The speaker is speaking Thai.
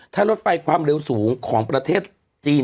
ถ้ารถไฟความเร็วสูงของประเทศจีน